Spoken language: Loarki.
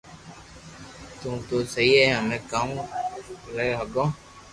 تو تو سھي ھي ھمي ڪاو ر ھگو